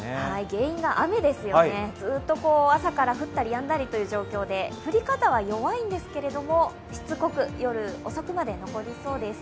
原因が雨ですよね、ずっと朝から降ったりやんだりという状況で、降り方は弱いんですけれども、しつこく夜遅くまで残りそうです。